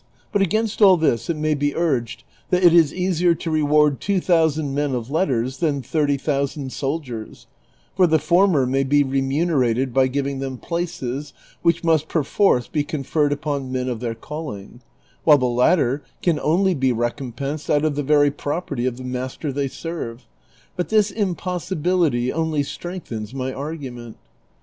But against all this it may be urged that it is easier to reward two thousand men of letters than thirty thousand soldiers, for the former nuiy be remunerated by giving them jilaces, which must perforce be conferred upon men of their calling, while the lat ter can only be recompensed out of the ver}^ pro[jerty of the master they serve ; but this impossibility only strengthens my argument.